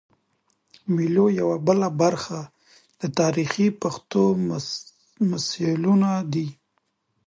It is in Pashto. د مېلو یوه بله برخه د تاریخي پېښو تمثیلونه دي.